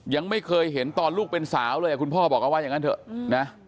ยังไม่เคยเห็นตอนลูกเป็นสาวเลยคุณพ่อบอกว่าอย่างนั้นเถอะนะ